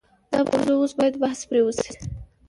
دا موضوع اوس باید بحث پرې وشي.